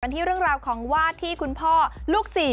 ที่เรื่องราวของวาดที่คุณพ่อลูก๔